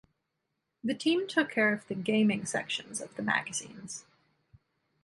The team took care of the gaming sections of the magazines.